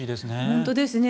本当ですね。